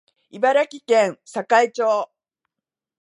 茨城県境町